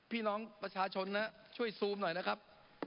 พี่น้องประชาชนนะช่วยซูมหน่อยนะครับ